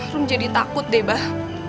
rom jadi takut deh abah